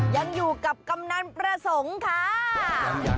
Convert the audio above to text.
ยังอยู่กับกำนันประสงค์ค่ะ